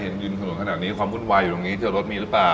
เห็นริมถนนขนาดนี้ความวุ่นวายอยู่ตรงนี้เจอรถมีหรือเปล่า